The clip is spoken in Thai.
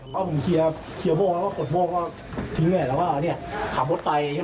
ผมหยิบจริงจริงอ่ะผมบาปจริงจริงอ่ะหอมตรงเร็วจริงจริง